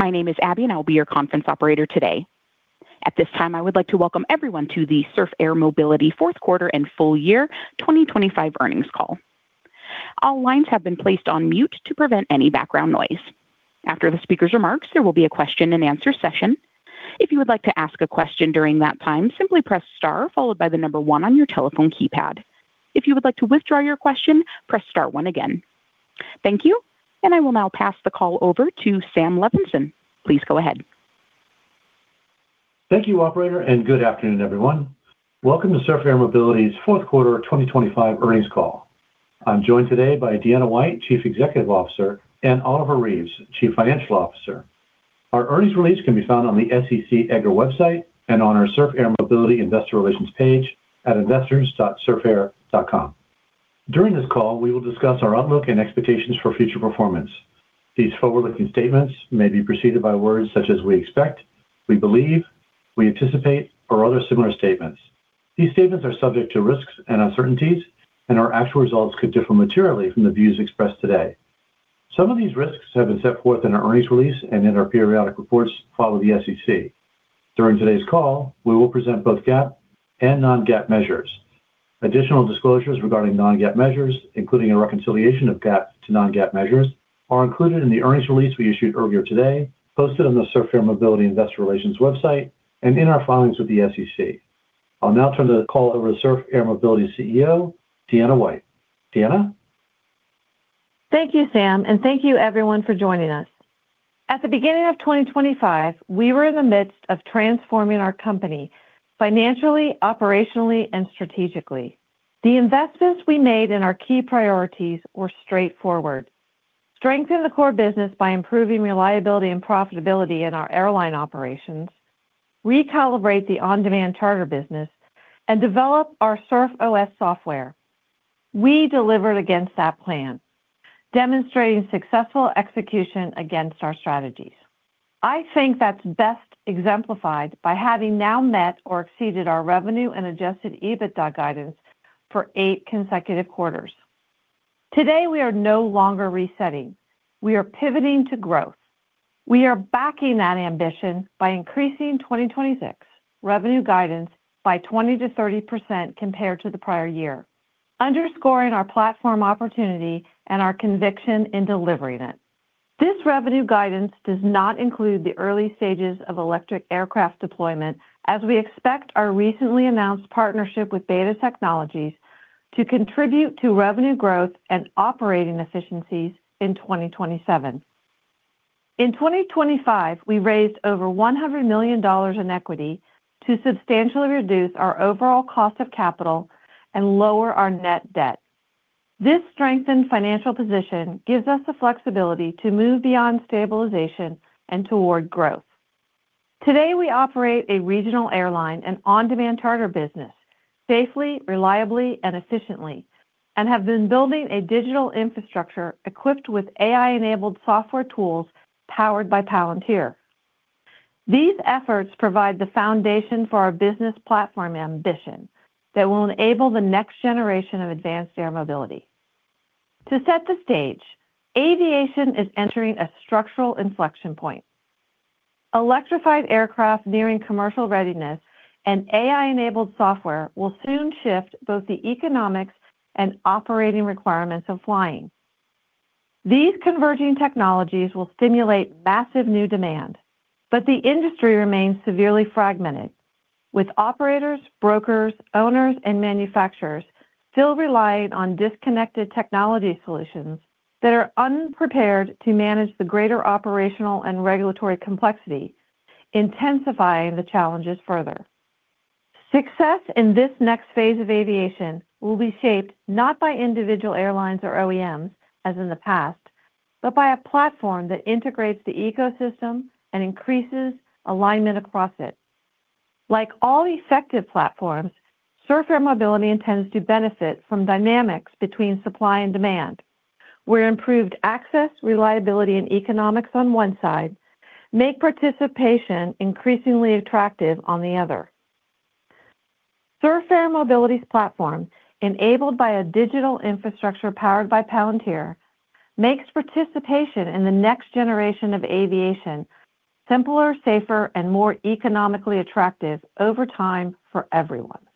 Good evening. My name is Abby, and I'll be your conference operator today. At this time, I would like to welcome everyone to the Surf Air Mobility fourth quarter and full year 2025 earnings call. All lines have been placed on mute to prevent any background noise. After the speaker's remarks, there will be a question-and-answer session. If you would like to ask a question during that time, simply press star followed by the number one on your telephone keypad. If you would like to withdraw your question, press star one again. Thank you, and I will now pass the call over to Sam Levinson. Please go ahead. Thank you, operator, and good afternoon, everyone. Welcome to Surf Air Mobility's fourth quarter 2025 earnings call. I'm joined today by Deanna White, Chief Executive Officer, and Oliver Reeves, Chief Financial Officer. Our earnings release can be found on the SEC EDGAR website and on our Surf Air Mobility investor relations page at investors.surfair.com. During this call, we will discuss our outlook and expectations for future performance. These forward-looking statements may be preceded by words such as we expect, we believe, we anticipate, or other similar statements. These statements are subject to risks and uncertainties, and our actual results could differ materially from the views expressed today. Some of these risks have been set forth in our earnings release and in our periodic reports filed with the SEC. During today's call, we will present both GAAP and non-GAAP measures. Additional disclosures regarding non-GAAP measures, including a reconciliation of GAAP to non-GAAP measures, are included in the earnings release we issued earlier today, posted on the Surf Air Mobility Investor Relations website and in our filings with the SEC. I'll now turn the call over to Surf Air Mobility CEO, Deanna White. Deanna? Thank you, Sam, and thank you everyone for joining us. At the beginning of 2025, we were in the midst of transforming our company financially, operationally, and strategically. The investments we made in our key priorities were straightforward. Strengthen the core business by improving reliability and profitability in our airline operations, recalibrate the on-demand charter business, and develop our SurfOS software. We delivered against that plan, demonstrating successful execution against our strategies. I think that's best exemplified by having now met or exceeded our revenue and Adjusted EBITDA guidance for 8 consecutive quarters. Today, we are no longer resetting. We are pivoting to growth. We are backing that ambition by increasing 2026 revenue guidance by 20%-30% compared to the prior year, underscoring our platform opportunity and our conviction in delivering it. This revenue guidance does not include the early stages of electric aircraft deployment, as we expect our recently announced partnership with BETA Technologies to contribute to revenue growth and operating efficiencies in 2027. In 2025, we raised over $100 million in equity to substantially reduce our overall cost of capital and lower our net debt. This strengthened financial position gives us the flexibility to move beyond stabilization and toward growth. Today, we operate a regional airline and on-demand charter business safely, reliably, and efficiently, and have been building a digital infrastructure equipped with AI-enabled software tools powered by Palantir. These efforts provide the foundation for our business platform ambition that will enable the next generation of advanced air mobility. To set the stage, aviation is entering a structural inflection point. Electrified aircraft nearing commercial readiness and AI-enabled software will soon shift both the economics and operating requirements of flying. These converging technologies will stimulate massive new demand, but the industry remains severely fragmented, with operators, brokers, owners, and manufacturers still relying on disconnected technology solutions that are unprepared to manage the greater operational and regulatory complexity, intensifying the challenges further. Success in this next phase of aviation will be shaped not by individual airlines or OEMs as in the past, but by a platform that integrates the ecosystem and increases alignment across it. Like all effective platforms, Surf Air Mobility intends to benefit from dynamics between supply and demand, where improved access, reliability, and economics on one side make participation increasingly attractive on the other. Surf Air Mobility's platform, enabled by a digital infrastructure powered by Palantir, makes participation in the next generation of aviation simpler, safer, and more economically attractive over time for everyone.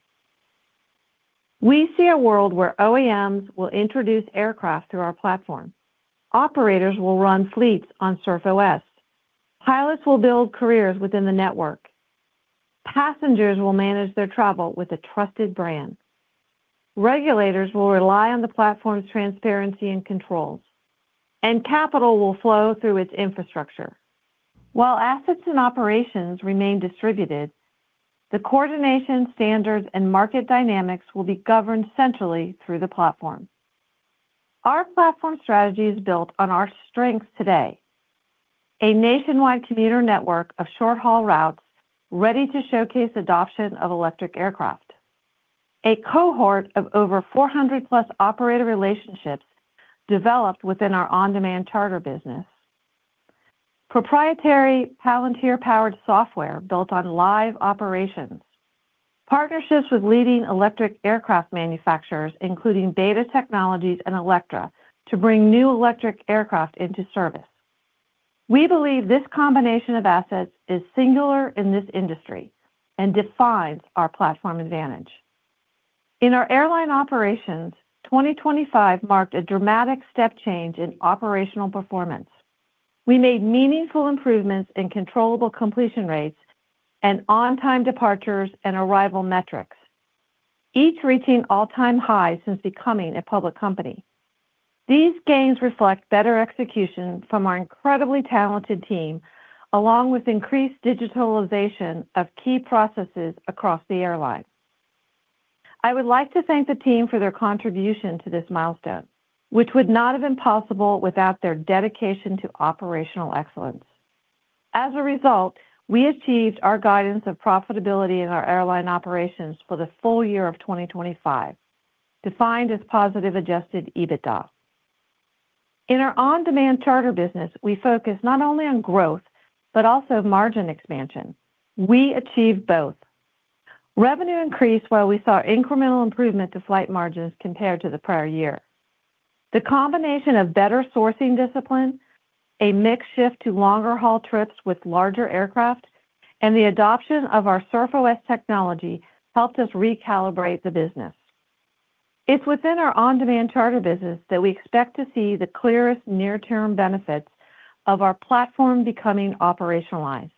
We see a world where OEMs will introduce aircraft through our platform. Operators will run fleets on SurfOS. Pilots will build careers within the network. Passengers will manage their travel with a trusted brand. Regulators will rely on the platform's transparency and controls, and capital will flow through its infrastructure. While assets and operations remain distributed, the coordination standards and market dynamics will be governed centrally through the platform. Our platform strategy is built on our strengths today. A nationwide commuter network of short-haul routes ready to showcase adoption of electric aircraft. A cohort of over 400+ operator relationships developed within our on-demand charter business. Proprietary Palantir-powered software built on live operations. Partnerships with leading electric aircraft manufacturers, including BETA Technologies and Electra to bring new electric aircraft into service. We believe this combination of assets is singular in this industry and defines our platform advantage. In our airline operations, 2025 marked a dramatic step change in operational performance. We made meaningful improvements in controllable completion rates and on-time departures and arrival metrics, each reaching all-time highs since becoming a public company. These gains reflect better execution from our incredibly talented team, along with increased digitalization of key processes across the airline. I would like to thank the team for their contribution to this milestone, which would not have been possible without their dedication to operational excellence. As a result, we achieved our guidance of profitability in our airline operations for the full year of 2025, defined as positive Adjusted EBITDA. In our on-demand charter business, we focus not only on growth but also margin expansion. We achieved both. Revenue increased while we saw incremental improvement to flight margins compared to the prior year. The combination of better sourcing discipline, a mix shift to longer haul trips with larger aircraft, and the adoption of our SurfOS technology helped us recalibrate the business. It's within our on-demand charter business that we expect to see the clearest near-term benefits of our platform becoming operationalized.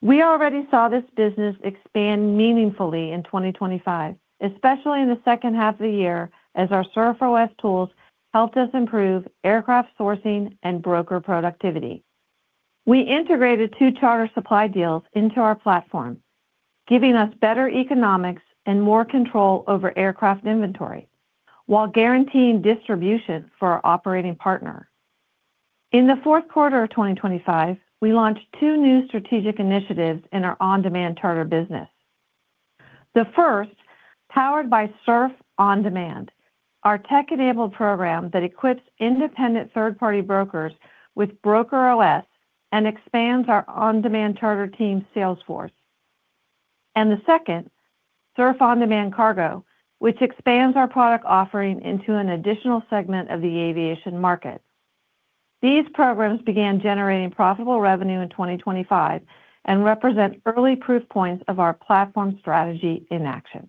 We already saw this business expand meaningfully in 2025, especially in the second half of the year as our SurfOS tools helped us improve aircraft sourcing and broker productivity. We integrated two charter supply deals into our platform, giving us better economics and more control over aircraft inventory while guaranteeing distribution for our operating partner. In the fourth quarter of 2025, we launched two new strategic initiatives in our on-demand charter business. The first, Powered by Surf On Demand, our tech-enabled program that equips independent third-party brokers with BrokerOS and expands our on-demand charter team sales force. The second, Surf On Demand Cargo, which expands our product offering into an additional segment of the aviation market. These programs began generating profitable revenue in 2025 and represent early proof points of our platform strategy in action.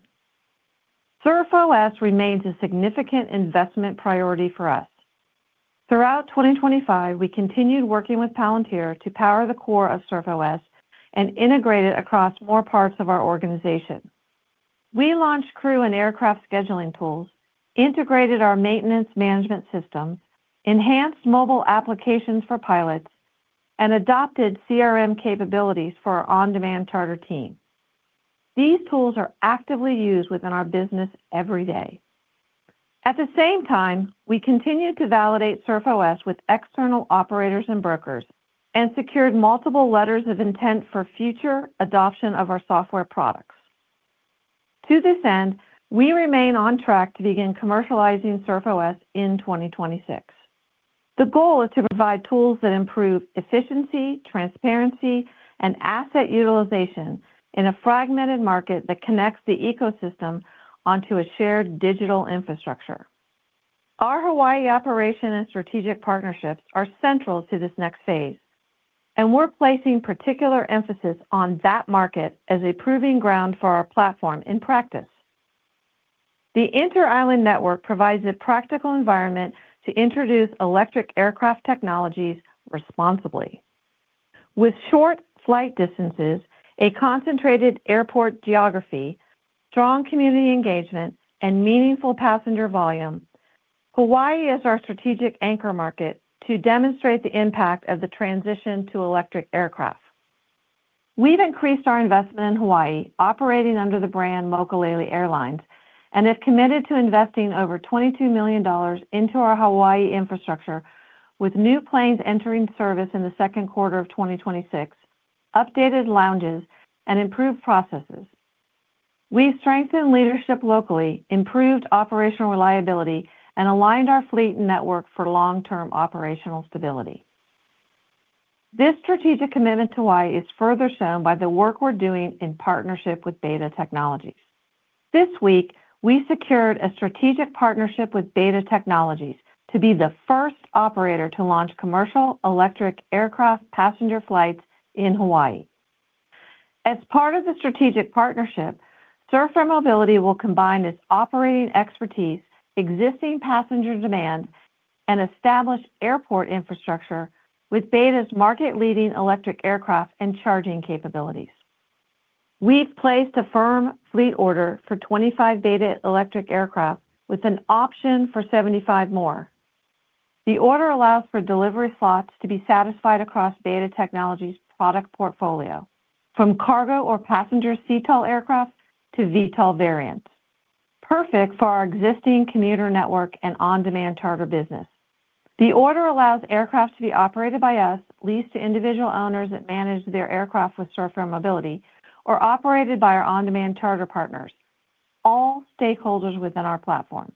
SurfOS remains a significant investment priority for us. Throughout 2025, we continued working with Palantir to power the core of SurfOS and integrate it across more parts of our organization. We launched crew and aircraft scheduling tools, integrated our maintenance management system, enhanced mobile applications for pilots, and adopted CRM capabilities for our on-demand charter team. These tools are actively used within our business every day. At the same time, we continued to validate SurfOS with external operators and brokers and secured multiple letters of intent for future adoption of our software products. To this end, we remain on track to begin commercializing SurfOS in 2026. The goal is to provide tools that improve efficiency, transparency, and asset utilization in a fragmented market that connects the ecosystem onto a shared digital infrastructure. Our Hawaii operation and strategic partnerships are central to this next phase, and we're placing particular emphasis on that market as a proving ground for our platform in practice. The Inter-Island Network provides a practical environment to introduce electric aircraft technologies responsibly. With short flight distances, a concentrated airport geography, strong community engagement, and meaningful passenger volume, Hawaii is our strategic anchor market to demonstrate the impact of the transition to electric aircraft. We've increased our investment in Hawaii, operating under the brand Mokulele Airlines, and have committed to investing over $22 million into our Hawaii infrastructure with new planes entering service in the second quarter of 2026, updated lounges, and improved processes. We've strengthened leadership locally, improved operational reliability, and aligned our fleet and network for long-term operational stability. This strategic commitment to Hawaii is further shown by the work we're doing in partnership with BETA Technologies. This week, we secured a strategic partnership with BETA Technologies to be the first operator to launch commercial electric aircraft passenger flights in Hawaii. As part of the strategic partnership, Surf Air Mobility will combine its operating expertise, existing passenger demand, and established airport infrastructure with BETA's market-leading electric aircraft and charging capabilities. We've placed a firm fleet order for 25 BETA electric aircraft with an option for 75 more. The order allows for delivery slots to be satisfied across BETA Technologies' product portfolio, from cargo or passenger CTOL aircraft to VTOL variants, perfect for our existing commuter network and on-demand charter business. The order allows aircraft to be operated by us, leased to individual owners that manage their aircraft with Surf Air Mobility, or operated by our on-demand charter partners, all stakeholders within our platform.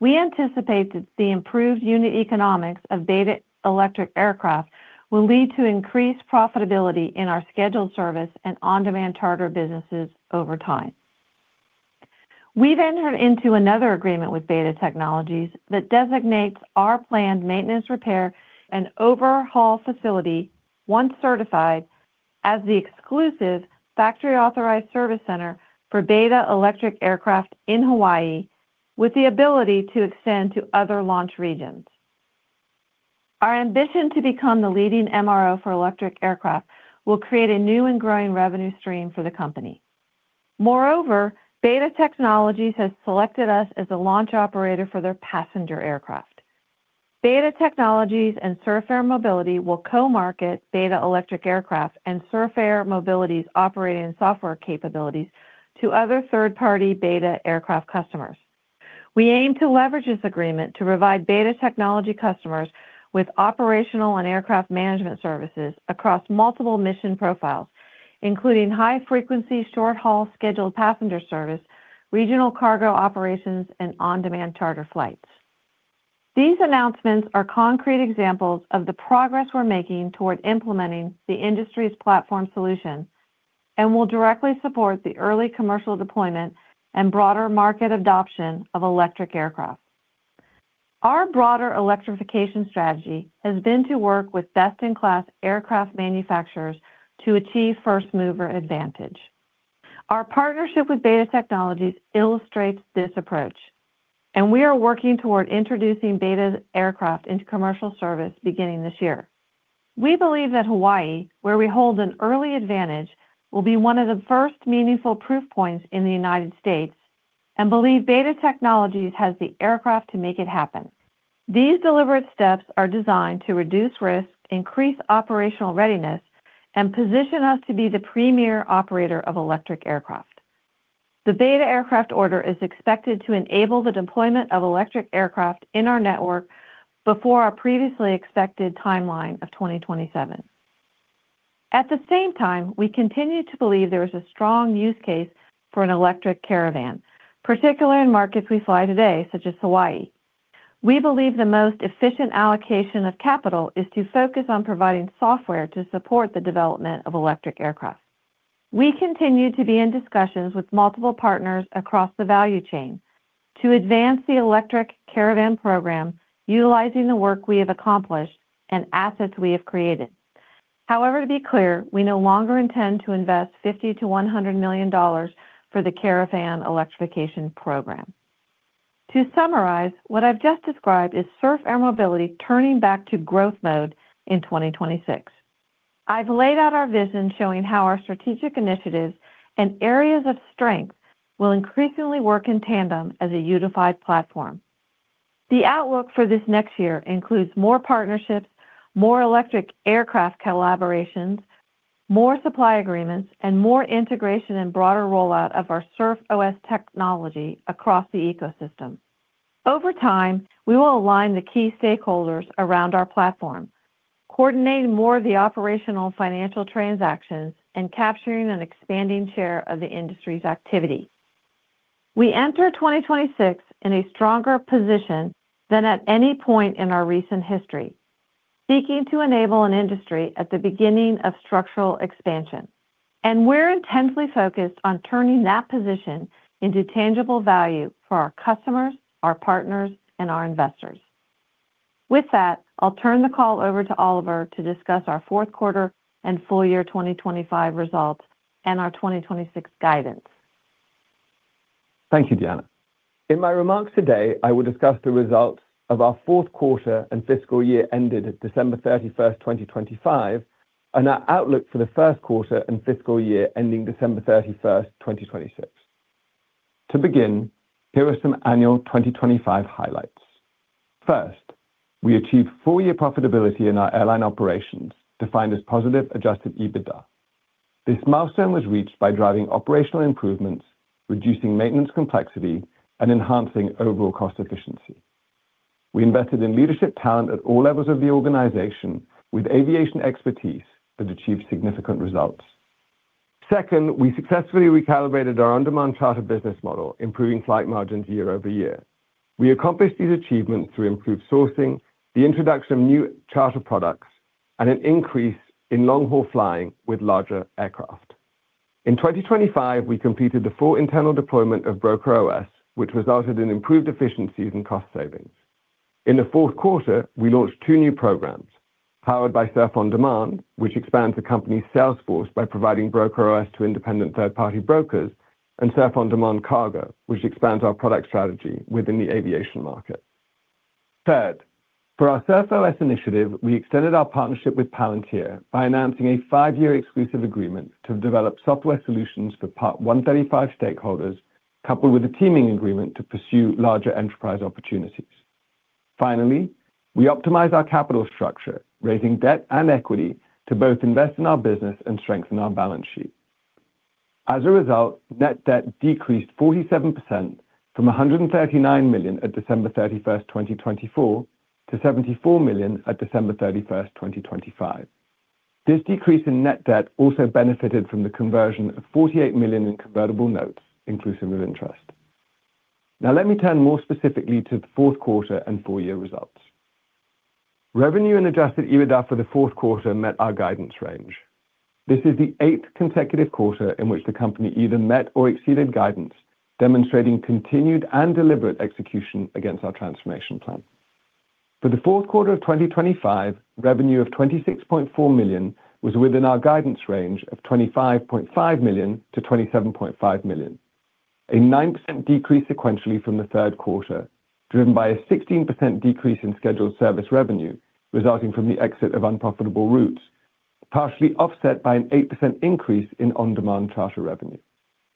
We anticipate that the improved unit economics of BETA electric aircraft will lead to increased profitability in our scheduled service and on-demand charter businesses over time. We entered into another agreement with BETA Technologies that designates our planned maintenance repair and overhaul facility once certified as the exclusive factory-authorized service center for BETA electric aircraft in Hawaii, with the ability to extend to other launch regions. Our ambition to become the leading MRO for electric aircraft will create a new and growing revenue stream for the company. Moreover, BETA Technologies has selected us as a launch operator for their passenger aircraft. BETA Technologies and Surf Air Mobility will co-market BETA electric aircraft and Surf Air Mobility's operating software capabilities to other third-party BETA aircraft customers. We aim to leverage this agreement to provide BETA Technologies customers with operational and aircraft management services across multiple mission profiles, including high frequency, short-haul scheduled passenger service, regional cargo operations, and on-demand charter flights. These announcements are concrete examples of the progress we're making toward implementing the industry's platform solution and will directly support the early commercial deployment and broader market adoption of electric aircraft. Our broader electrification strategy has been to work with best-in-class aircraft manufacturers to achieve first-mover advantage. Our partnership with BETA Technologies illustrates this approach, and we are working toward introducing BETA's aircraft into commercial service beginning this year. We believe that Hawaii, where we hold an early advantage, will be one of the first meaningful proof points in the United States and believe BETA Technologies has the aircraft to make it happen. These deliberate steps are designed to reduce risk, increase operational readiness, and position us to be the premier operator of electric aircraft. The BETA aircraft order is expected to enable the deployment of electric aircraft in our network before our previously expected timeline of 2027. At the same time, we continue to believe there is a strong use case for an electric Caravan, particularly in markets we fly today, such as Hawaii. We believe the most efficient allocation of capital is to focus on providing software to support the development of electric aircraft. We continue to be in discussions with multiple partners across the value chain to advance the electric Caravan program, utilizing the work we have accomplished and assets we have created. However, to be clear, we no longer intend to invest $50 million-$100 million for the Caravan electrification program. To summarize, what I've just described is Surf Air Mobility turning back to growth mode in 2026. I've laid out our vision, showing how our strategic initiatives and areas of strength will increasingly work in tandem as a unified platform. The outlook for this next year includes more partnerships, more electric aircraft collaborations, more supply agreements, and more integration and broader rollout of our SurfOS technology across the ecosystem. Over time, we will align the key stakeholders around our platform, coordinating more of the operational financial transactions and capturing an expanding share of the industry's activity. We enter 2026 in a stronger position than at any point in our recent history, seeking to enable an industry at the beginning of structural expansion, and we're intensely focused on turning that position into tangible value for our customers, our partners, and our investors. With that, I'll turn the call over to Oliver to discuss our fourth quarter and full year 2025 results and our 2026 guidance. Thank you, Deanna. In my remarks today, I will discuss the results of our fourth quarter and fiscal year ended December 31st, 2025, and our outlook for the first quarter and fiscal year ending December 31st, 2026. To begin, here are some annual 2025 highlights. First, we achieved full year profitability in our airline operations, defined as positive Adjusted EBITDA. This milestone was reached by driving operational improvements, reducing maintenance complexity, and enhancing overall cost efficiency. We invested in leadership talent at all levels of the organization with aviation expertise that achieved significant results. Second, we successfully recalibrated our on-demand charter business model, improving flight margins year-over-year. We accomplished these achievements through improved sourcing, the introduction of new charter products, and an increase in long-haul flying with larger aircraft. In 2025, we completed the full internal deployment of BrokerOS, which resulted in improved efficiencies and cost savings. In the fourth quarter, we launched 2 new programs powered by Surf On Demand, which expands the company's sales force by providing BrokerOS to independent third-party brokers and Surf On Demand Cargo, which expands our product strategy within the aviation market. Third, for our SurfOS initiative, we extended our partnership with Palantir by announcing a five-year exclusive agreement to develop software solutions for Part 135 stakeholders, coupled with a teaming agreement to pursue larger enterprise opportunities. Finally, we optimized our capital structure, raising debt and equity to both invest in our business and strengthen our balance sheet. As a result, net debt decreased 47% from $139 million at December 31st, 2024 to $74 million at December 31st, 2025. This decrease in net debt also benefited from the conversion of $48 million in convertible notes, inclusive of interest. Now let me turn more specifically to the fourth quarter and full year results. Revenue and Adjusted EBITDA for the fourth quarter met our guidance range. This is the eighth consecutive quarter in which the company either met or exceeded guidance, demonstrating continued and deliberate execution against our transformation plan. For the fourth quarter of 2025, revenue of $26.4 million was within our guidance range of $25.5 million-$27.5 million. A 9% decrease sequentially from the third quarter, driven by a 16% decrease in scheduled service revenue, resulting from the exit of unprofitable routes, partially offset by an 8% increase in on-demand charter revenue.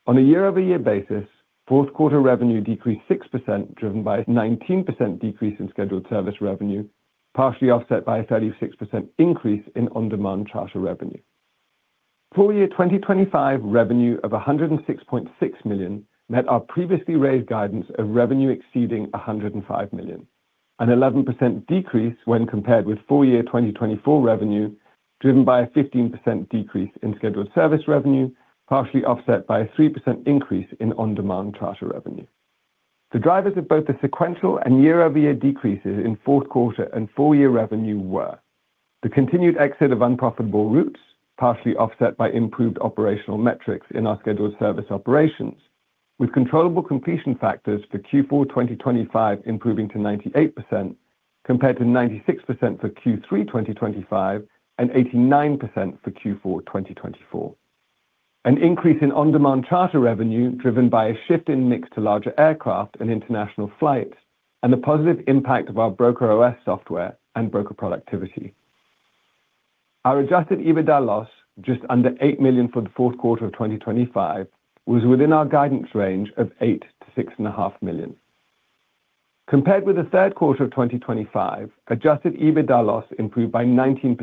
On a year-over-year basis, fourth quarter revenue decreased 6%, driven by a 19% decrease in scheduled service revenue, partially offset by a 36% increase in on-demand charter revenue. Full year 2025 revenue of $106.6 million met our previously raised guidance of revenue exceeding $105 million. An 11% decrease when compared with full year 2024 revenue, driven by a 15% decrease in scheduled service revenue, partially offset by a 3% increase in on-demand charter revenue. The drivers of both the sequential and year-over-year decreases in fourth quarter and full year revenue were the continued exit of unprofitable routes, partially offset by improved operational metrics in our scheduled service operations, with controllable completion factors for Q4 2025 improving to 98% compared to 96% for Q3 2025 and 89% for Q4 2024. An increase in on-demand charter revenue driven by a shift in mix to larger aircraft and international flights and the positive impact of our BrokerOS software and broker productivity. Our Adjusted EBITDA loss, just under $8 million for the fourth quarter of 2025, was within our guidance range of $8 million-$6.5 million. Compared with the third quarter of 2025, Adjusted EBITDA loss improved by 19%,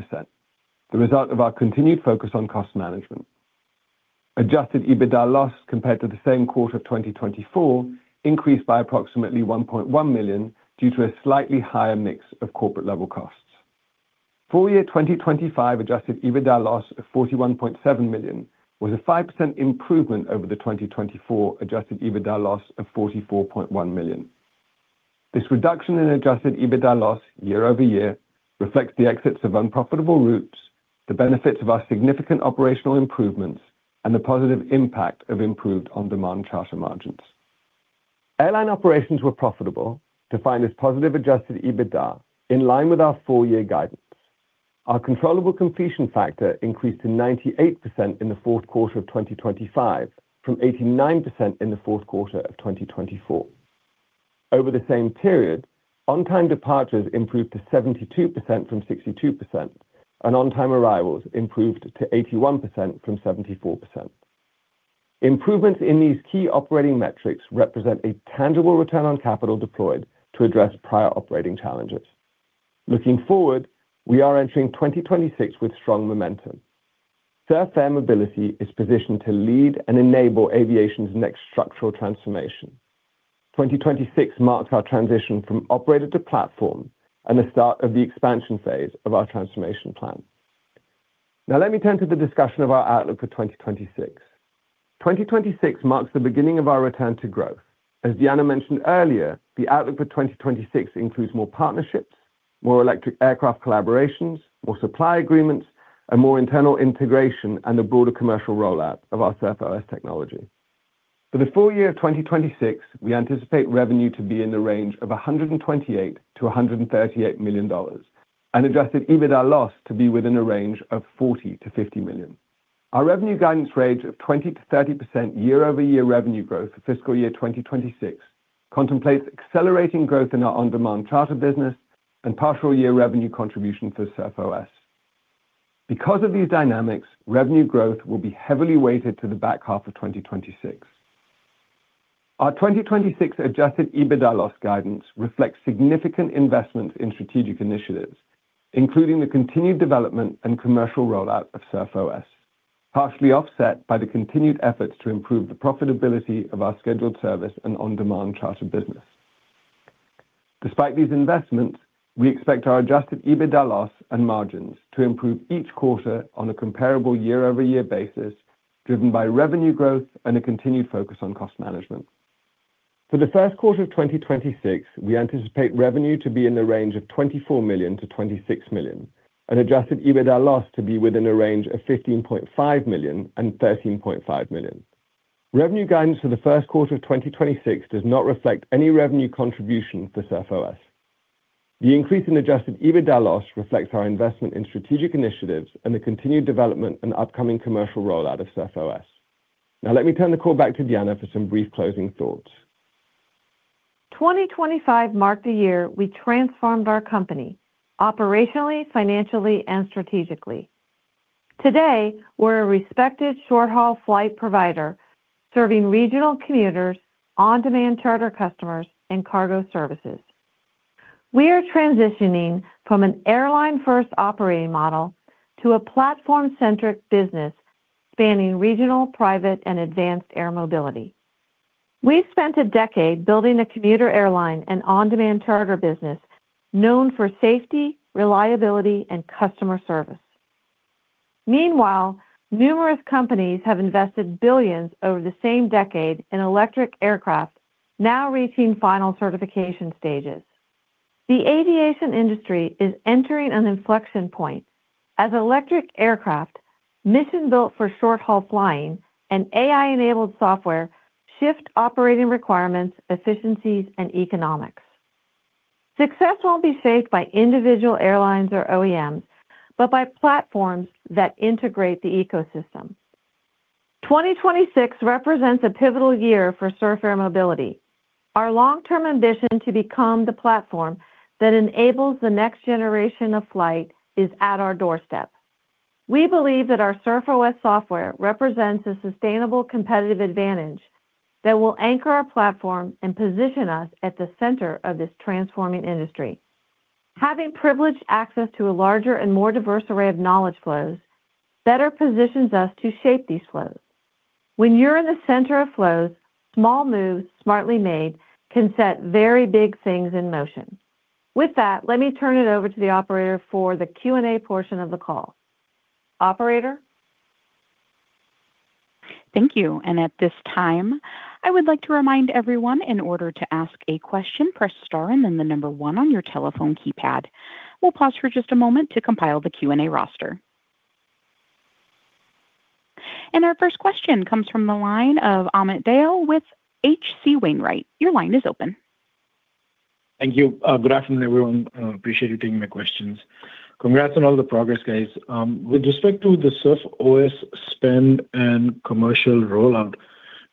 the result of our continued focus on cost management. Adjusted EBITDA loss compared to the same quarter of 2024 increased by approximately $1.1 million due to a slightly higher mix of corporate-level costs. Full year 2025 Adjusted EBITDA loss of $41.7 million was a 5% improvement over the 2024 Adjusted EBITDA loss of $44.1 million. This reduction in Adjusted EBITDA loss year-over-year reflects the exits of unprofitable routes, the benefits of our significant operational improvements, and the positive impact of improved on-demand charter margins. Airline operations were profitable, defined as positive Adjusted EBITDA, in line with our full year guidance. Our controllable completion factor increased to 98% in the fourth quarter of 2025 from 89% in the fourth quarter of 2024. Over the same period on-time departures improved to 72% from 62% and on-time arrivals improved to 81% from 74%. Improvements in these key operating metrics represent a tangible return on capital deployed to address prior operating challenges. Looking forward, we are entering 2026 with strong momentum. Surf Air Mobility is positioned to lead and enable aviation's next structural transformation. 2026 marks our transition from operator to platform and the start of the expansion phase of our transformation plan. Now let me turn to the discussion of our outlook for 2026. 2026 marks the beginning of our return to growth. As Deanna mentioned earlier, the outlook for 2026 includes more partnerships, more electric aircraft collaborations, more supply agreements, and more internal integration and a broader commercial rollout of our SurfOS technology. For the full year of 2026, we anticipate revenue to be in the range of $128 million-$138 million and Adjusted EBITDA loss to be within a range of $40 million-$50 million. Our revenue guidance range of 20%-30% year-over-year revenue growth for fiscal year 2026 contemplates accelerating growth in our on-demand charter business and partial year revenue contribution for SurfOS. Because of these dynamics, revenue growth will be heavily weighted to the back half of 2026. Our 2026 Adjusted EBITDA loss guidance reflects significant investments in strategic initiatives, including the continued development and commercial rollout of SurfOS, partially offset by the continued efforts to improve the profitability of our scheduled service and on-demand charter business. Despite these investments, we expect our Adjusted EBITDA loss and margins to improve each quarter on a comparable year-over-year basis, driven by revenue growth and a continued focus on cost management. For the first quarter of 2026, we anticipate revenue to be in the range of $24 million-$26 million and Adjusted EBITDA loss to be within a range of $15.5 million-$13.5 million. Revenue guidance for the first quarter of 2026 does not reflect any revenue contribution for SurfOS. The increase in Adjusted EBITDA loss reflects our investment in strategic initiatives and the continued development and upcoming commercial rollout of SurfOS. Now let me turn the call back to Deanna for some brief closing thoughts. 2025 marked a year we transformed our company operationally, financially, and strategically. Today, we're a respected short-haul flight provider serving regional commuters, on-demand charter customers, and cargo services. We are transitioning from an airline-first operating model to a platform-centric business spanning regional, private, and advanced air mobility. We've spent a decade building a commuter airline and on-demand charter business known for safety, reliability, and customer service. Meanwhile, numerous companies have invested billions over the same decade in electric aircraft now reaching final certification stages. The aviation industry is entering an inflection point as electric aircraft mission-built for short-haul flying and AI-enabled software shift operating requirements, efficiencies, and economics. Success won't be shaped by individual airlines or OEMs, but by platforms that integrate the ecosystem. 2026 represents a pivotal year for Surf Air Mobility. Our long-term ambition to become the platform that enables the next generation of flight is at our doorstep. We believe that our SurfOS software represents a sustainable competitive advantage that will anchor our platform and position us at the center of this transforming industry. Having privileged access to a larger and more diverse array of knowledge flows better positions us to shape these flows. When you're in the center of flows, small moves smartly made can set very big things in motion. With that, let me turn it over to the operator for the Q&A portion of the call. Operator? Thank you. At this time, I would like to remind everyone in order to ask a question, press star and then the number one on your telephone keypad. We'll pause for just a moment to compile the Q&A roster. Our first question comes from the line of Amit Dayal with H.C. Wainwright. Your line is open. Thank you. Good afternoon, everyone. I appreciate you taking my questions. Congrats on all the progress, guys. With respect to the SurfOS spend and commercial rollout,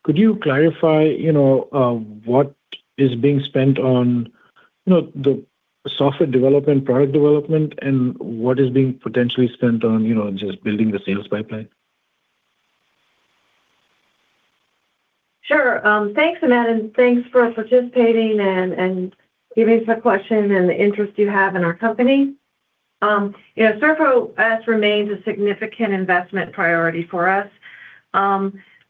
could you clarify, you know, what is being spent on, you know, the software development, product development, and what is being potentially spent on, you know, just building the sales pipeline? Sure. Thanks, Amit, and thanks for participating and giving us a question and the interest you have in our company. You know, SurfOS remains a significant investment priority for us.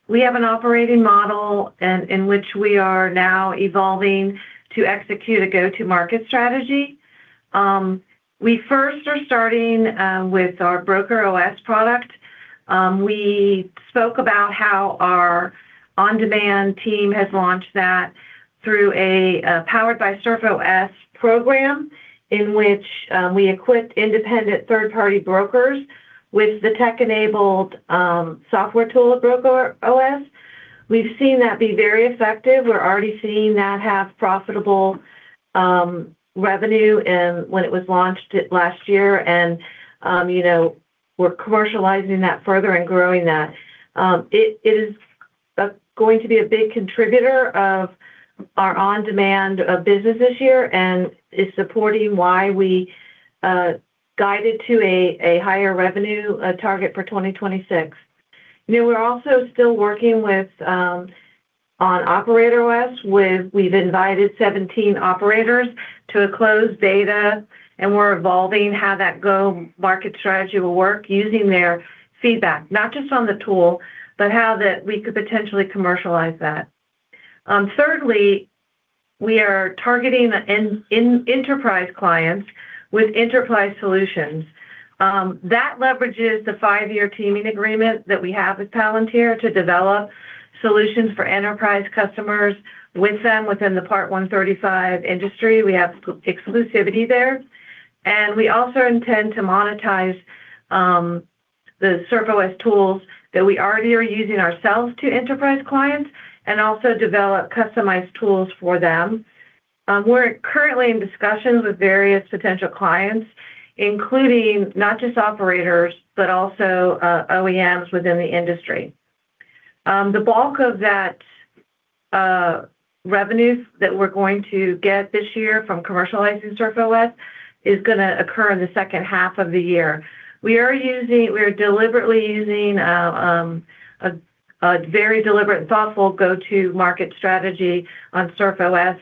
We have an operating model and in which we are now evolving to execute a go-to-market strategy. We first are starting with our BrokerOS product. We spoke about how our on-demand team has launched that through a Powered by SurfOS program in which we equipped independent third-party brokers with the tech-enabled software tool of BrokerOS. We've seen that be very effective. We're already seeing that have profitable revenue and when it was launched last year and you know, we're commercializing that further and growing that. It is going to be a big contributor of our on-demand business this year and is supporting why we guided to a higher revenue target for 2026. You know, we're also still working on OperatorOS. We've invited 17 operators to a closed BETA, and we're evolving how that go-to-market strategy will work using their feedback, not just on the tool, but how that we could potentially commercialize that. Thirdly, we are targeting enterprise clients with enterprise solutions. That leverages the five-year teaming agreement that we have with Palantir to develop solutions for enterprise customers with them within the Part 135 industry. We have exclusivity there. We also intend to monetize the SurfOS tools that we already are using ourselves to enterprise clients and also develop customized tools for them. We're currently in discussions with various potential clients, including not just operators, but also OEMs within the industry. The bulk of that revenues that we're going to get this year from commercializing SurfOS is gonna occur in the second half of the year. We're deliberately using a very deliberate, thoughtful go-to-market strategy on SurfOS,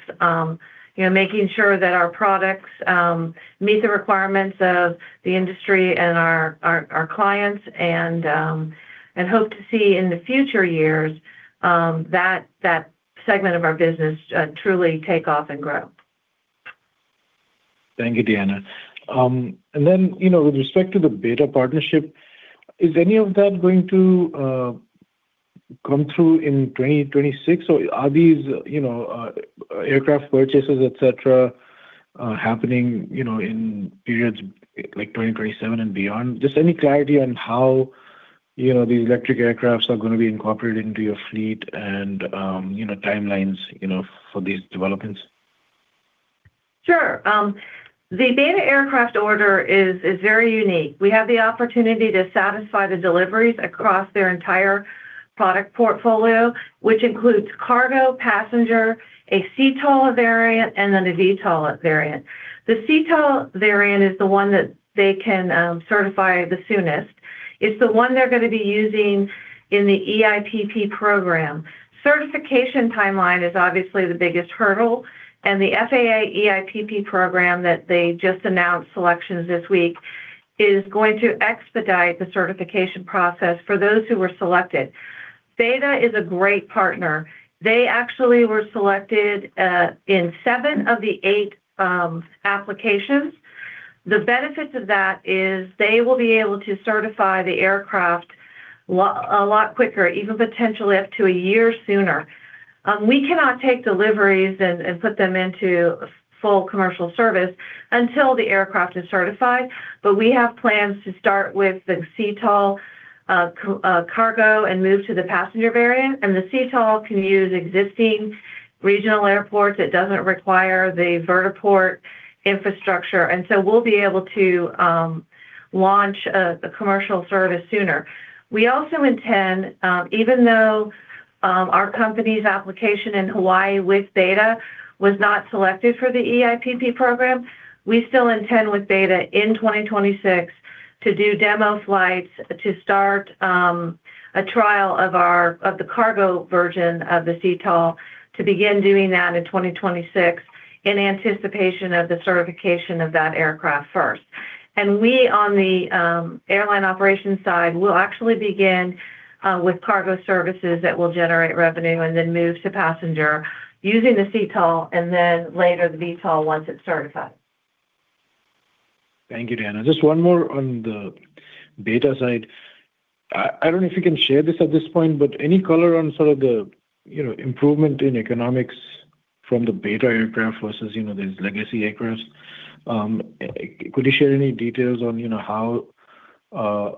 you know, making sure that our products meet the requirements of the industry and our clients and hope to see in the future years that segment of our business truly take off and grow. Thank you, Deanna. You know, with respect to the BETA partnership, is any of that going to come through in 2026 or are these, you know, aircraft purchases, et cetera, happening, you know, in periods like 2027 and beyond? Just any clarity on how, you know, these electric aircraft are going to be incorporated into your fleet and, you know, timelines, you know, for these developments? Sure. The BETA aircraft order is very unique. We have the opportunity to satisfy the deliveries across their entire product portfolio, which includes cargo, passenger, a CTOL variant, and then a VTOL variant. The CTOL variant is the one that they can certify the soonest. It's the one they're going to be using in the eIPP program. Certification timeline is obviously the biggest hurdle, and the FAA eIPP program that they just announced selections this week is going to expedite the certification process for those who were selected. BETA is a great partner. They actually were selected in seven of the eight applications. The benefits of that is they will be able to certify the aircraft a lot quicker, even potentially up to a year sooner. We cannot take deliveries and put them into full commercial service until the aircraft is certified. We have plans to start with the CTOL, cargo and move to the passenger variant. The CTOL can use existing regional airports. It doesn't require the vertiport infrastructure, and so we'll be able to launch the commercial service sooner. We also intend, even though our company's application in Hawaii with BETA was not selected for the EIPP program, we still intend with BETA in 2026 to do demo flights to start a trial of our of the cargo version of the CTOL to begin doing that in 2026 in anticipation of the certification of that aircraft first. We, on the airline operations side, will actually begin with cargo services that will generate revenue and then move to passenger using the CTOL and then later the VTOL once it's certified. Thank you, Deanna. Just one more on the BETA side. I don't know if you can share this at this point, but any color on sort of the, you know, improvement in economics from the BETA aircraft versus, you know, these legacy aircraft? Could you share any details on, you know, how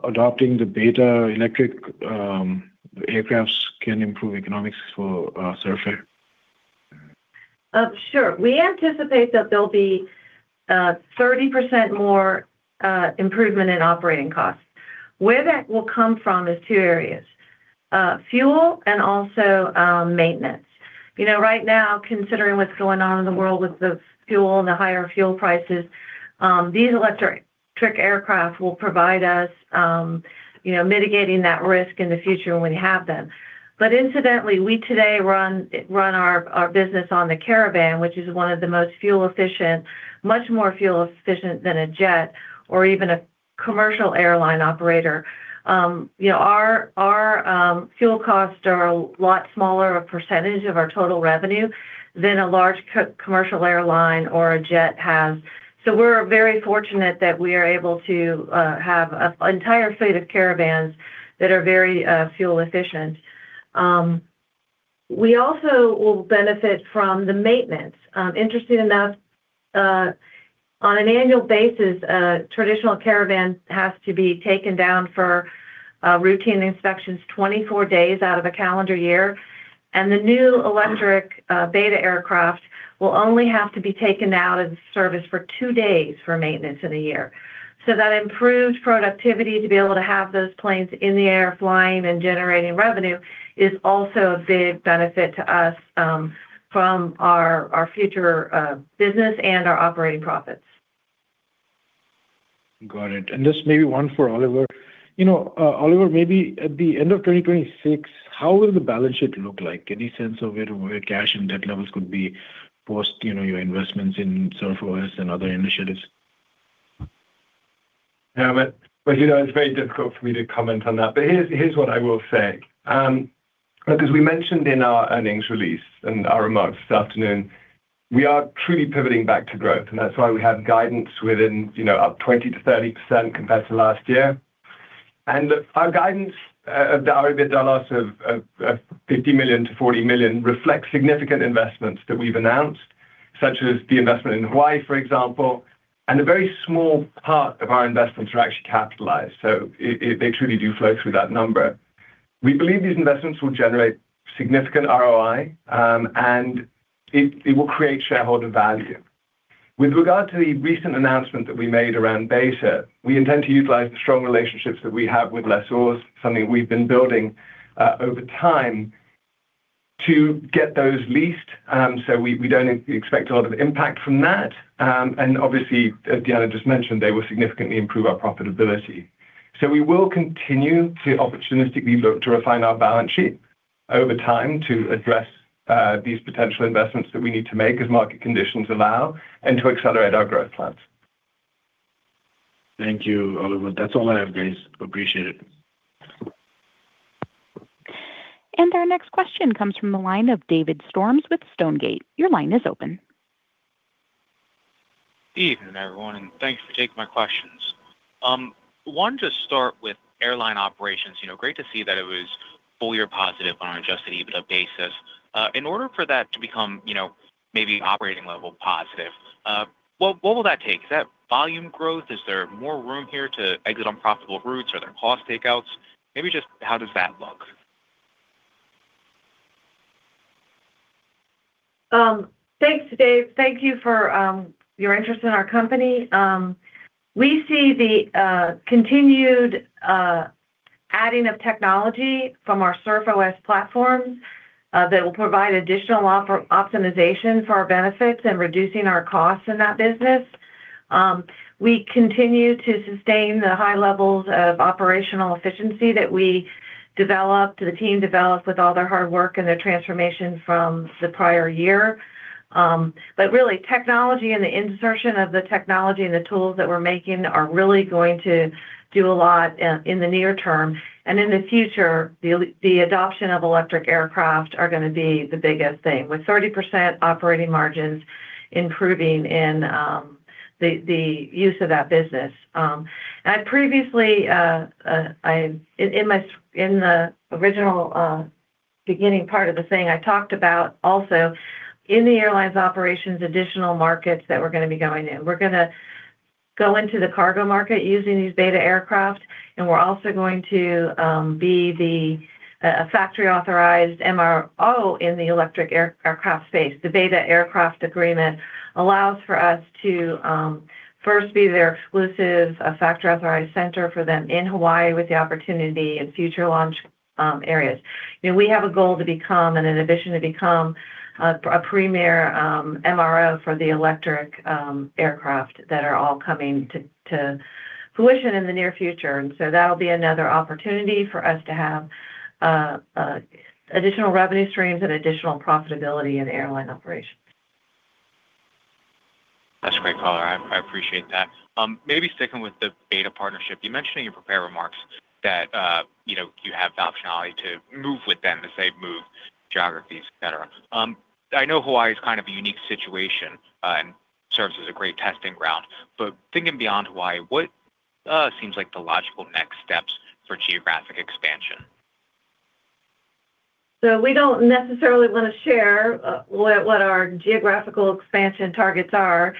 adopting the BETA electric aircraft can improve economics for Surf Air? Sure. We anticipate that there'll be 30% more improvement in operating costs. Where that will come from is two areas, fuel and also maintenance. You know, right now, considering what's going on in the world with the fuel and the higher fuel prices, these electric aircraft will provide us, you know, mitigating that risk in the future when we have them. Incidentally, we today run our business on the Caravan, which is one of the most fuel efficient, much more fuel efficient than a jet or even a commercial airline operator. You know, our fuel costs are a lot smaller a percentage of our total revenue than a large commercial airline or a jet has. We're very fortunate that we are able to have an entire fleet of Caravans that are very fuel efficient. We also will benefit from the maintenance. Interesting enough, on an annual basis, a traditional Caravan has to be taken down for routine inspections 24 days out of a calendar year. The new electric BETA aircraft will only have to be taken out of service for two days for maintenance in a year. That improved productivity to be able to have those planes in the air flying and generating revenue is also a big benefit to us from our future business and our operating profits. Got it. Just maybe one for Oliver. You know, Oliver, maybe at the end of 2026, how will the balance sheet look like? Any sense of where cash and debt levels could be post, you know, your investments in SurfOS and other initiatives? Yeah. You know, it's very difficult for me to comment on that. Here's what I will say. Look, as we mentioned in our earnings release and our remarks this afternoon, we are truly pivoting back to growth, and that's why we have guidance within, you know, up 20%-30% compared to last year. Our guidance of the EBITDA loss of $50 million-$40 million reflects significant investments that we've announced, such as the investment in Hawaii, for example. A very small part of our investments are actually capitalized, so they truly do flow through that number. We believe these investments will generate significant ROI, and it will create shareholder value. With regard to the recent announcement that we made around BETA, we intend to utilize the strong relationships that we have with lessors, something we've been building over time to get those leased. We don't expect a lot of impact from that. Obviously, as Deanna just mentioned, they will significantly improve our profitability. We will continue to opportunistically look to refine our balance sheet over time to address these potential investments that we need to make as market conditions allow and to accelerate our growth plans. Thank you, Oliver. That's all I have, guys. Appreciate it. Our next question comes from the line of David Storms with Stonegate. Your line is open. Evening, everyone, and thanks for taking my questions. Wanted to start with airline operations. You know, great to see that it was full year positive on an Adjusted EBITDA basis. In order for that to become, you know, maybe operating level positive, what will that take? Is that volume growth? Is there more room here to exit unprofitable routes? Are there cost takeouts? Maybe just how does that look? Thanks, Dave. Thank you for your interest in our company. We see the continued adding of technology from our SurfOS platform that will provide additional optimization for our benefits and reducing our costs in that business. We continue to sustain the high levels of operational efficiency that the team developed with all their hard work and their transformation from the prior year. Really technology and the insertion of the technology and the tools that we're making are really going to do a lot in the near term. In the future, the adoption of electric aircraft are gonna be the biggest thing, with 30% operating margins improving in the use of that business. I previously in the original beginning part of the thing, I talked about also in the airlines operations, additional markets that we're gonna be going in. We're gonna go into the cargo market using these BETA aircraft, and we're also going to be the factory-authorized MRO in the electric aircraft space. The BETA aircraft agreement allows for us to first be their exclusive factory-authorized center for them in Hawaii with the opportunity in future launch areas. You know, we have a goal to become and a vision to become a premier MRO for the electric aircraft that are all coming to fruition in the near future. That'll be another opportunity for us to have additional revenue streams and additional profitability in airline operations. That's great, Deanna. I appreciate that. Maybe sticking with the BETA partnership, you mentioned in your prepared remarks that you know you have the optionality to move with them as they move geographies, et cetera. I know Hawaii is kind of a unique situation and serves as a great testing ground. Thinking beyond Hawaii, what seems like the logical next steps for geographic expansion? We don't necessarily wanna share what our geographical expansion targets are,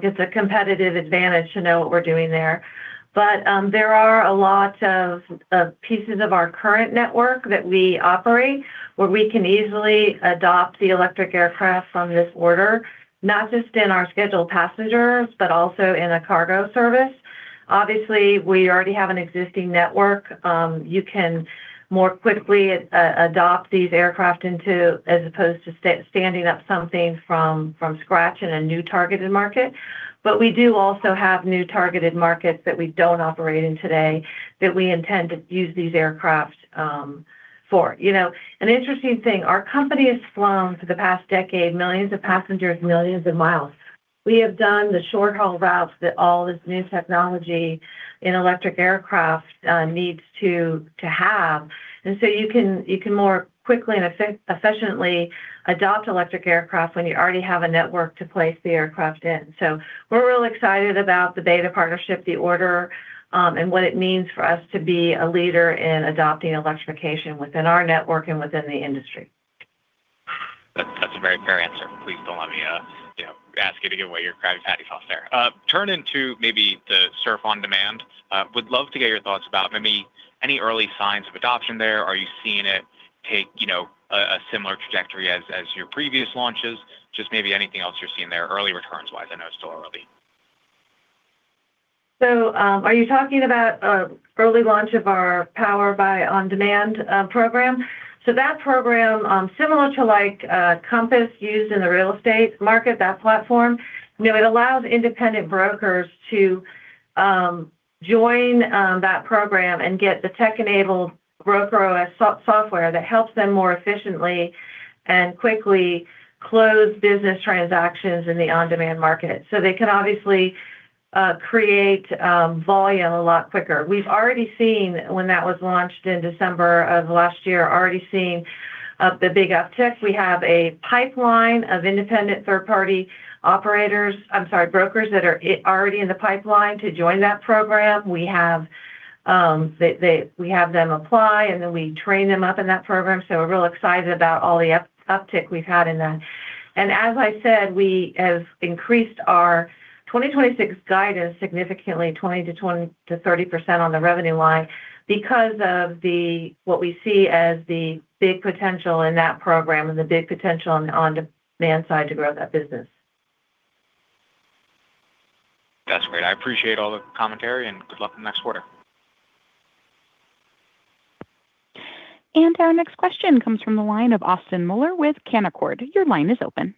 gives a competitive advantage to know what we're doing there. There are a lot of pieces of our current network that we operate, where we can easily adopt the electric aircraft from this order, not just in our scheduled passengers, but also in a cargo service. Obviously, we already have an existing network. You can more quickly adopt these aircraft into as opposed to standing up something from scratch in a new targeted market. We do also have new targeted markets that we don't operate in today that we intend to use these aircraft for. You know, an interesting thing, our company has flown for the past decade, millions of passengers, millions of miles. We have done the short-haul routes that all this new technology in electric aircraft needs to have. You can more quickly and efficiently adopt electric aircraft when you already have a network to place the aircraft in. We're really excited about the BETA partnership, the order, and what it means for us to be a leader in adopting electrification within our network and within the industry. That's a very fair answer. Please don't let me, you know, ask you to give away your secret sauce there. Turning to maybe the Surf On Demand, would love to get your thoughts about maybe any early signs of adoption there. Are you seeing it take, you know, a similar trajectory as your previous launches? Just maybe anything else you're seeing there early returns-wise. I know it's still early. Are you talking about early launch of our Powered by Surf On Demand program? That program, similar to like Compass used in the real estate market, that platform, you know, it allows independent brokers to join that program and get the tech-enabled BrokerOS software that helps them more efficiently and quickly close business transactions in the on-demand market. They can obviously create volume a lot quicker. We've already seen when that was launched in December of last year, already seeing the big uptick. We have a pipeline of independent third-party operators, I'm sorry, brokers that are already in the pipeline to join that program. We have them apply, and then we train them up in that program. We're real excited about all the uptick we've had in that. As I said, we have increased our 2026 guidance significantly 20%-30% on the revenue line because of what we see as the big potential in that program and the big potential on the on-demand side to grow that business. That's great. I appreciate all the commentary, and good luck in next quarter. Our next question comes from the line of Austin Moeller with Canaccord Genuity. Your line is open.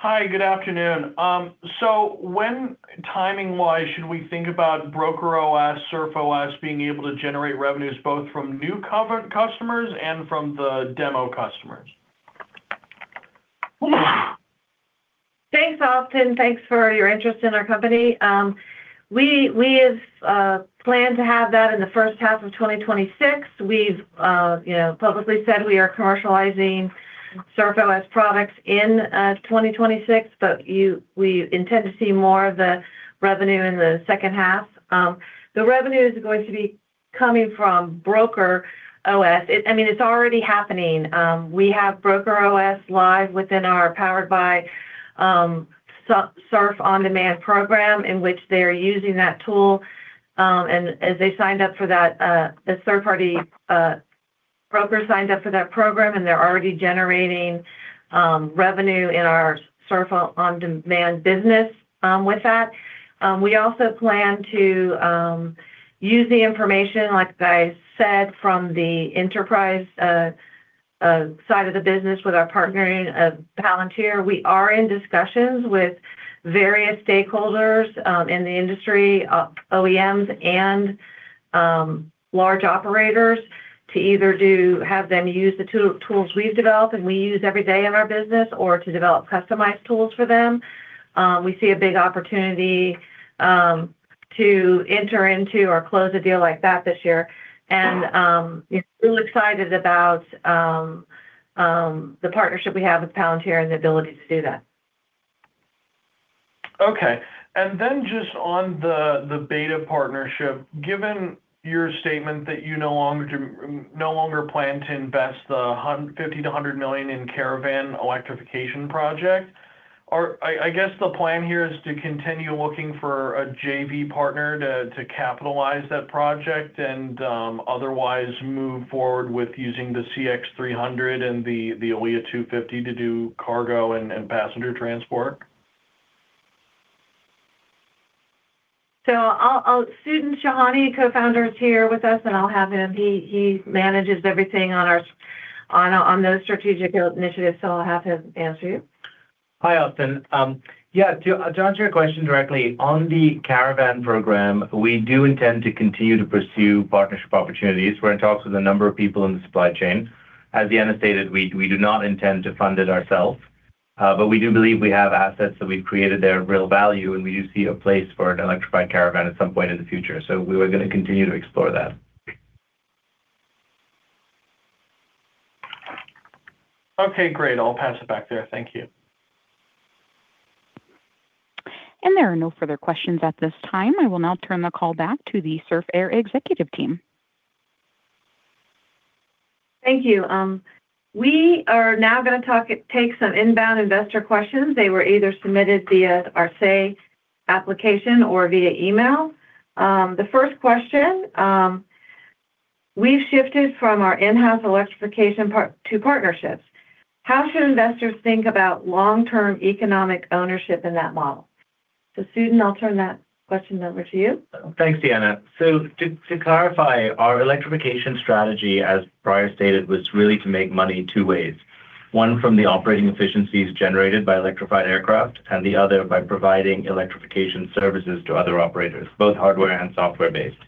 Hi, good afternoon. When timing-wise, should we think about BrokerOS, SurfOS being able to generate revenues both from newcomer customers and from the demo customers? Thanks, Austin. Thanks for your interest in our company. We have planned to have that in the first half of 2026. We've you know publicly said we are commercializing SurfOS products in 2026, but we intend to see more of the revenue in the second half. The revenue is going to be coming from BrokerOS. I mean, it's already happening. We have BrokerOS live within our Powered by Surf On Demand program in which they are using that tool, and as they signed up for that, the third-party broker signed up for that program, and they're already generating revenue in our Surf On Demand business with that. We also plan to use the information, like I said, from the enterprise side of the business with our partnership with Palantir. We are in discussions with various stakeholders in the industry, OEMs and large operators to either have them use the tools we've developed and we use every day in our business or to develop customized tools for them. We see a big opportunity to enter into or close a deal like that this year. We're excited about the partnership we have with Palantir and the ability to do that. Okay. Just on the BETA partnership, given your statement that you no longer plan to invest $50 million-$100 million in Caravan electrification project. I guess the plan here is to continue looking for a JV partner to capitalize that project and otherwise move forward with using the CX 300 and the ALIA 250 to do cargo and passenger transport. Sudhin Shahani, Co-founder, is here with us, and I'll have him. He manages everything on those strategic initiatives, so I'll have him answer you. Hi, Austin. Yeah. To answer your question directly, on the Caravan program, we do intend to continue to pursue partnership opportunities. We're in talks with a number of people in the supply chain. As Deanna stated, we do not intend to fund it ourselves, but we do believe we have assets that we've created there of real value, and we do see a place for an electrified Caravan at some point in the future. We are gonna continue to explore that. Okay, great. I'll pass it back there. Thank you. There are no further questions at this time. I will now turn the call back to the Surf Air executive team. Thank you. We are now gonna talk, take some inbound investor questions. They were either submitted via our say application or via email. The first question, we've shifted from our in-house electrification path to partnerships. How should investors think about long-term economic ownership in that model? Sudhin, I'll turn that question over to you. Thanks, Deanna. To clarify, our electrification strategy, as Deanna stated, was really to make money two ways. One from the operating efficiencies generated by electrified aircraft and the other by providing electrification services to other operators, both hardware and software-based.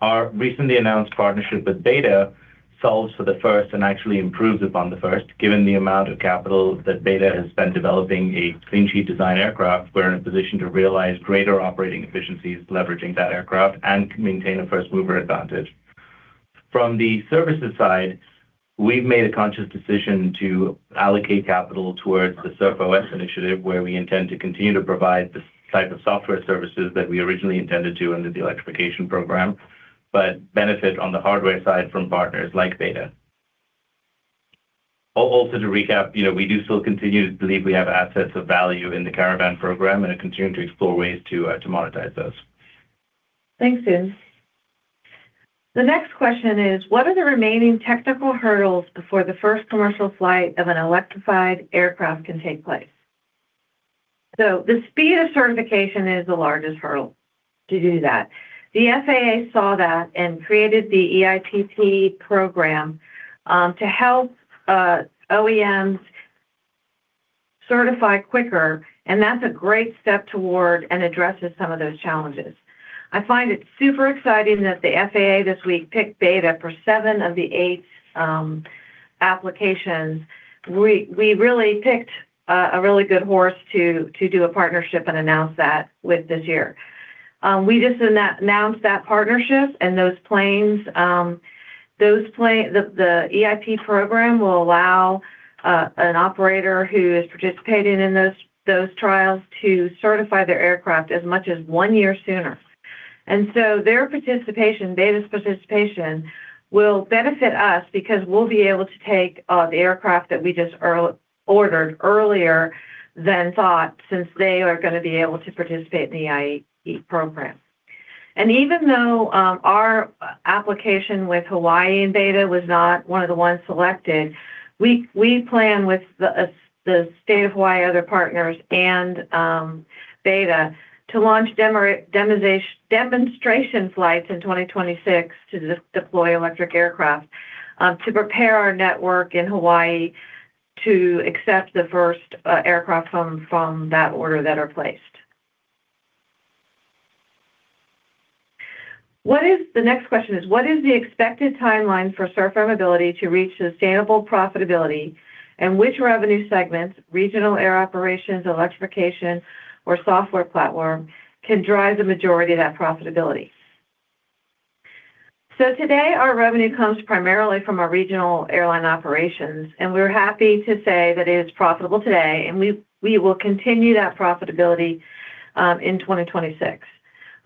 Our recently announced partnership with BETA solves for the first and actually improves upon the first. Given the amount of capital that BETA has spent developing a clean sheet design aircraft, we're in a position to realize greater operating efficiencies leveraging that aircraft and can maintain a first-mover advantage. From the services side, we've made a conscious decision to allocate capital towards the SurfOS initiative, where we intend to continue to provide the type of software services that we originally intended to under the electrification program, but benefit on the hardware side from partners like BETA. Also to recap, you know, we do still continue to believe we have assets of value in the Caravan program and are continuing to explore ways to monetize those. Thanks, Sudhin. The next question is, what are the remaining technical hurdles before the first commercial flight of an electrified aircraft can take place? The speed of certification is the largest hurdle to do that. The FAA saw that and created the eIPP program to help OEMs certify quicker, and that's a great step toward and addresses some of those challenges. I find it super exciting that the FAA this week picked BETA for seven of the eight applications. We really picked a really good horse to do a partnership and announce that with this year. We just announced that partnership and those planes. The eIPP program will allow an operator who is participating in those trials to certify their aircraft as much as one year sooner. Their participation, BETA's participation, will benefit us because we'll be able to take the aircraft that we just ordered earlier than thought since they are gonna be able to participate in the eIPP program. Even though our application with Hawaii and BETA was not one of the ones selected, we plan with the State of Hawaii, other partners, and BETA to launch demonstration flights in 2026 to deploy electric aircraft to prepare our network in Hawaii to accept the first aircraft from that order that are placed. The next question is, what is the expected timeline for Surf Air Mobility to reach sustainable profitability, and which revenue segments, regional air operations, electrification, or software platform, can drive the majority of that profitability? Today, our revenue comes primarily from our regional airline operations, and we're happy to say that it is profitable today, and we will continue that profitability in 2026.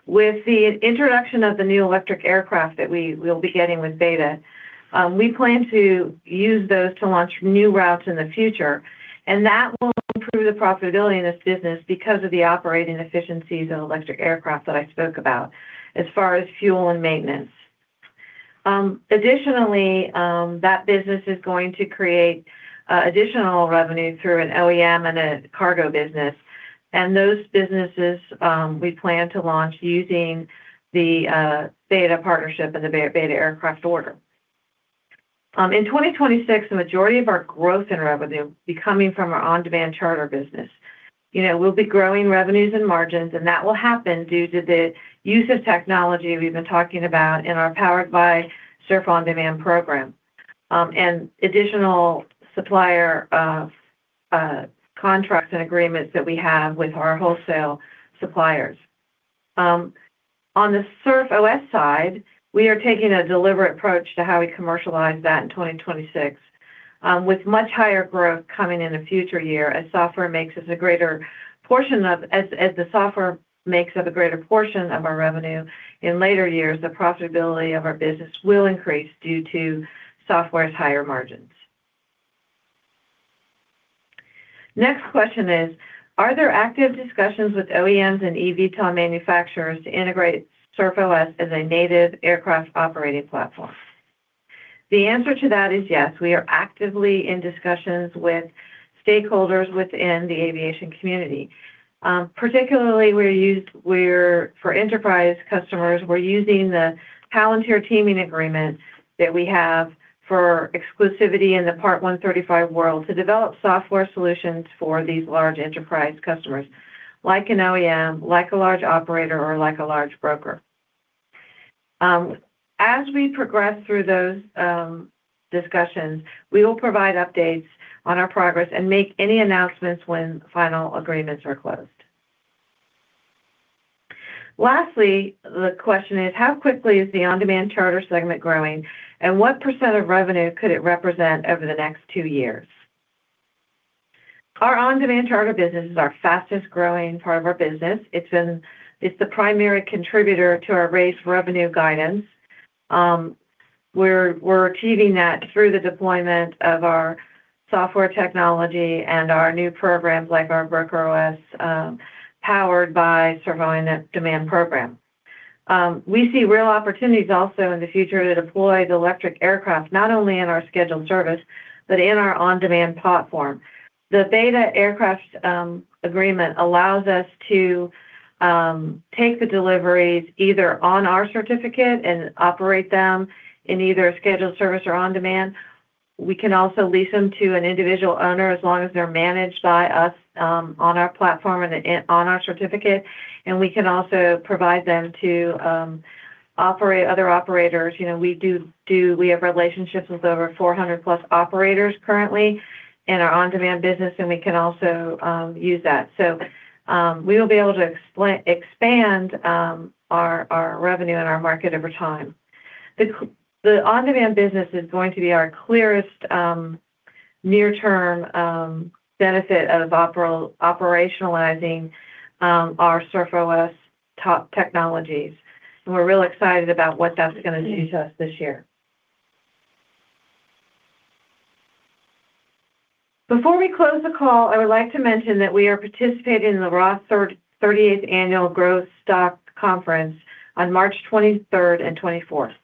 With the introduction of the new electric aircraft that we'll be getting with BETA, we plan to use those to launch new routes in the future, and that will improve the profitability in this business because of the operating efficiencies of electric aircraft that I spoke about as far as fuel and maintenance. Additionally, that business is going to create additional revenue through an OEM and a cargo business. Those businesses, we plan to launch using the BETA partnership and the BETA aircraft order. In 2026, the majority of our growth in revenue will be coming from our on-demand charter business. You know, we'll be growing revenues and margins, and that will happen due to the use of technology we've been talking about in our Powered by Surf On Demand program, and additional supplier contracts and agreements that we have with our wholesale suppliers. On the SurfOS side, we are taking a deliberate approach to how we commercialize that in 2026, with much higher growth coming in a future year as the software makes up a greater portion of our revenue in later years, the profitability of our business will increase due to software's higher margins. Next question is. Are there active discussions with OEMs and eVTOL manufacturers to integrate SurfOS as a native aircraft operating platform? The answer to that is yes. We are actively in discussions with stakeholders within the aviation community. Particularly, for enterprise customers, we're using the Palantir teaming agreement that we have for exclusivity in the Part 135 world to develop software solutions for these large enterprise customers, like an OEM, like a large operator, or like a large broker. As we progress through those discussions, we will provide updates on our progress and make any announcements when final agreements are closed. Lastly, the question is. How quickly is the on-demand charter segment growing, and what percent of revenue could it represent over the next two years? Our on-demand charter business is our fastest-growing part of our business. It's the primary contributor to our raised revenue guidance. We're achieving that through the deployment of our software technology and our new programs like our BrokerOS, powered by Surf On Demand program. We see real opportunities also in the future to deploy the electric aircraft, not only in our scheduled service, but in our on-demand platform. The BETA aircraft agreement allows us to take the deliveries either on our certificate and operate them in either a scheduled service or on demand. We can also lease them to an individual owner as long as they're managed by us on our platform and on our certificate, and we can also provide them to other operators. You know, we have relationships with over 400+ operators currently in our on-demand business, and we can also use that. We will be able to expand our revenue and our market over time. The on-demand business is going to be our clearest, near-term, benefit of operationalizing our SurfOS top technologies, and we're real excited about what that's gonna do to us this year. Before we close the call, I would like to mention that we are participating in the Roth 38th Annual Growth Stock Conference on March 23rd and 24th.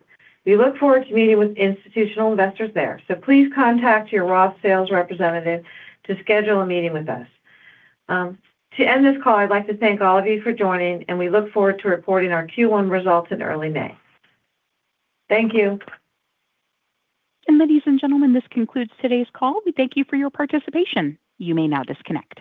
We look forward to meeting with institutional investors there, so please contact your Roth sales representative to schedule a meeting with us. To end this call, I'd like to thank all of you for joining, and we look forward to reporting our Q1 results in early May. Thank you. Ladies and gentlemen, this concludes today's call. We thank you for your participation. You may now disconnect.